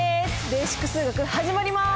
「ベーシック数学」始まります！